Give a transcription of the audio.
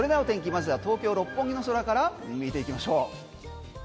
まずは東京・六本木の空から見ていきましょう。